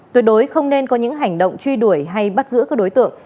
tuyệt đối không nên có những hành động truy đuổi hay bắt giữ các đối tượng